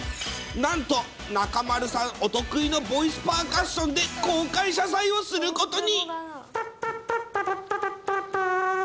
なんと、中丸さんお得意のボイスパーカッションで、公開謝罪をすることに。